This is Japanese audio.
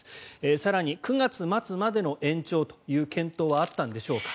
更に９月末までの延長という検討はあったんでしょうか。